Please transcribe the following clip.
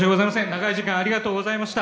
長い時間ありがとうございました。